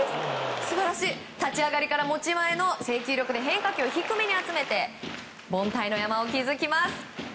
立ち上がりから持ち味の制球力変化球を低めに集めて凡退の山を築きます。